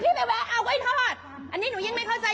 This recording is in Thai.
พี่รับผิดชอบเอาข้อหนูกลับคืนได้ไหม